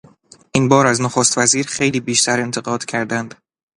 این بار از نخست وزیر خیلی بیشتر انتقاد کردند.